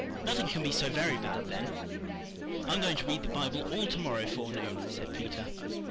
"Nothing can be so very bad then." "I'm going to read the Bible all to morrow forenoon," said Peter.